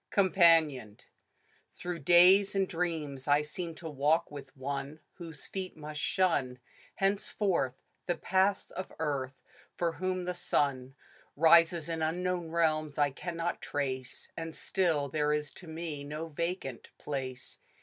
COMPANIONED. I^^^ji HROUGH days and dreams I seem to walk with one Whose feet must shun Henceforth, the paths of earth ; for whom the sun Rises in unknown realms I cannot trace ; And still there is to me no vacant place.